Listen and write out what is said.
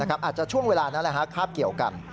อาจจะช่วงเวลานั้นคาบเกี่ยวกัน